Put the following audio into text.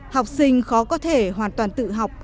học sinh khó có thể hoàn toàn tự học